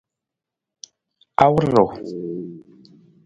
Awur ruu?